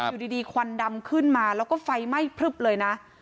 อยู่ดีควันดำขึ้นมาแล้วก็ไฟไหม้พลึบเลยนะ